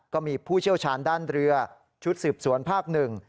ก็มีผู้เชี่ยวชาญด้านเรือชุดสืบสวนภาคหนึ่ง